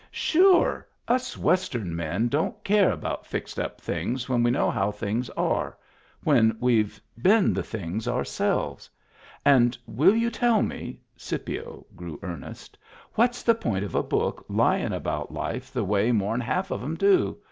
"Sure! Us Western men don't care about fixed up things when we know how things are — when we've been the things ourselves. And will you tell me" — Scipio grew earnest — "what's the point of a book lyin' about life the way Digitized by Google WHERE IT WAS 231 more*n half of 'em do